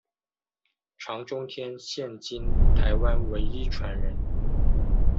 常中天现今在台湾唯一传人。